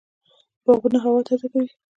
باغونه هوا تازه کوي